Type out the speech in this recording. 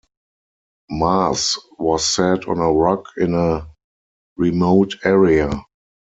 Mass was said on a rock in a remote area.